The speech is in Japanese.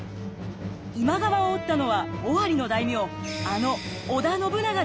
今川を討ったのは尾張の大名あの織田信長です。